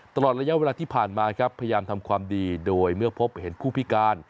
ตลอดระยะเวลาที่ผ่านมาครับพยายามทำความดีโดยเมื่อพบเห็นผู้พิการ